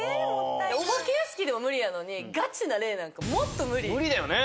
お化け屋敷でも無理やのにガチな霊なんか無理だよね。